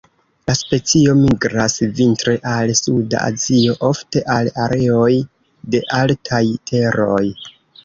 La specio migras vintre al suda Azio, ofte al areoj de altaj teroj.